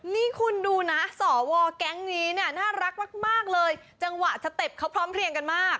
นี่คุณดูนะสวแก๊งนี้เนี่ยน่ารักมากเลยจังหวะสเต็ปเขาพร้อมเพลียงกันมาก